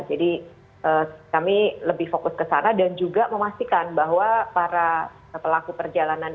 jadi kami lebih fokus ke sana dan juga memastikan bahwa para pelaku perjalanan